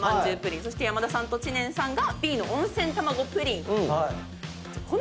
そして山田さんと知念さんがＢの温泉玉子プリン。